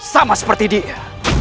sama seperti dia